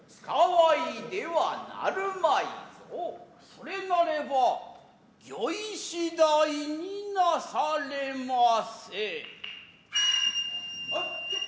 それなれば御意次第になされませ。